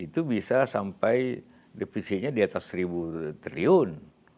masalah sampai defisitnya di atas seribu triliun